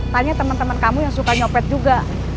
tanya temen temen kamu yang suka nyopet juga